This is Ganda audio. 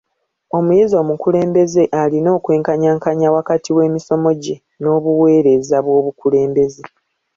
Omuyizi omukulembeze alina okwenkanyankanya wakati w'emisomo gye n'obuweereza bw'obukulembeze.